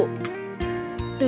các em tự kỷ